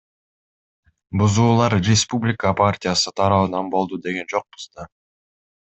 Бузуулар Республика партиясы тарабынан болду деген жокпуз да.